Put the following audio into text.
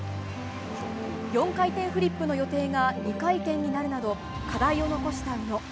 ４回転フリップの予定が２回転になるなど課題を残した宇野。